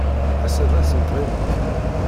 Ass-a d ass n tɣimit.